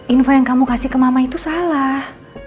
info yang kamu kasih ke mama itu salah